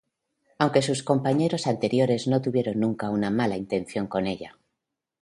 Aunque sus compañeros anteriores no tuvieron nunca una mala intención con ella.